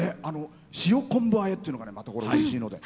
塩昆布あえっていうのがねまたこれおいしいので。